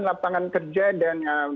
lapangan kerja dan